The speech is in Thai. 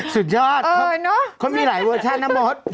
สุดยอดคนมีหลายเวอร์ชันนะโม๊ตเออเนอะ